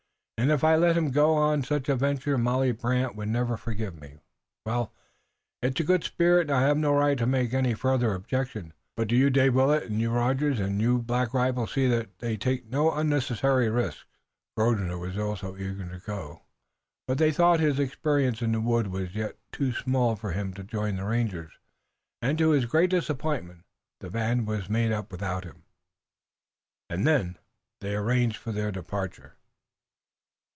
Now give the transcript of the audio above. And if I let him go on such a venture Molly Brant would never forgive me. Well, it's a good spirit and I have no right to make any further objection. But do you, Dave Willet, and you, Rogers, and you, Black Rifle, see that they take no unnecessary risks." Grosvenor also was eager to go, but they thought his experience in the woods was yet too small for him to join the rangers, and, to his great disappointment, the band was made up without him. Then they arranged for their departure.